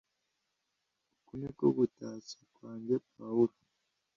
Uku ni ko gutashya kwanjye Pawulo